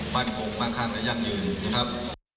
บ้านของบางครั้งก็ยังยืนนะครับ